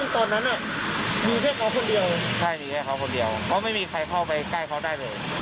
ตอนนั้นมีแค่เขาคนเดียวใช่มีแค่เขาคนเดียวเขาไม่มีใครเข้าไปใกล้เขาได้เลย